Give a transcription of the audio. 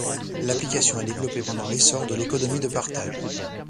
L’application est développée pendant l’essor de l’économie de partage.